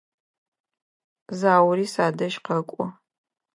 Заури садэжь къэкӏо.